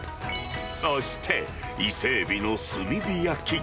そして伊勢エビの炭火焼き。